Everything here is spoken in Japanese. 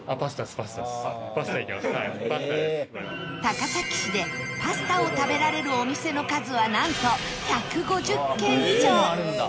高崎市でパスタを食べられるお店の数はなんと１５０軒以上！